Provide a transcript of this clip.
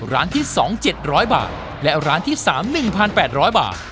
ร้านที่สองเจ็ดร้อยบาทและร้านที่สามหนึ่งพันแปดร้อยบาท